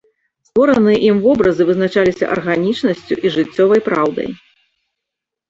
Створаныя ім вобразы вызначаліся арганічнасцю і жыццёвай праўдай.